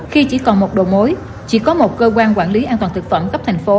khi chỉ còn một độ mối chỉ có một cơ quan quản lý an toàn được phẩm gấp thành phố